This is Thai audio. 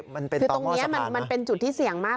คือตรงนี้มันเป็นจุดที่เสี่ยงมาก